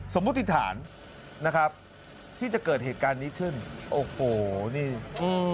มติฐานนะครับที่จะเกิดเหตุการณ์นี้ขึ้นโอ้โหนี่อืม